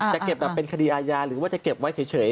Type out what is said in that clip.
จะเก็บแบบเป็นคดีอาญาหรือว่าจะเก็บไว้เฉย